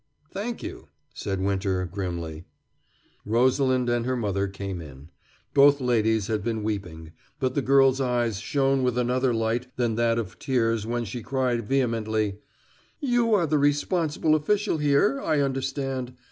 "Thank you," said Winter grimly. Rosalind and her mother came in. Both ladies had been weeping, but the girl's eyes shone with another light than that of tears when she cried vehemently: "You are the responsible official here, I understand.